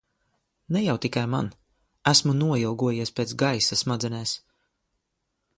Ne jau tikai man. Esmu noilgojies pēc gaisa smadzenēs.